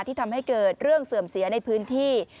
ทำให้เกิดเรื่องเสื่อมเสียในพื้นที่